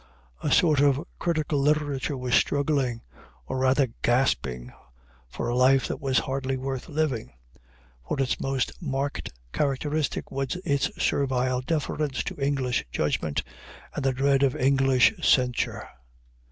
A sort of critical literature was struggling, or rather gasping, for a life that was hardly worth living; for its most marked characteristic was its servile deference to English judgment and dread of English censure.